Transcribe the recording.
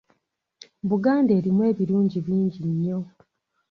Buganda erimu ebirungi bingi nnyo.